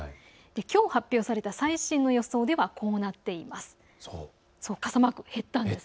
きょう発表された最新の予想ではこうなっています。